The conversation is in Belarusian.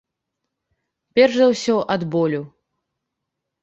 Перш за ўсё, ад болю.